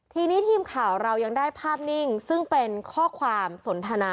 ทีนี้ทีมข่าวเรายังได้ภาพนิ่งซึ่งเป็นข้อความสนทนา